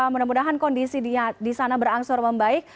mudah mudahan kondisi di sana berangsur membaik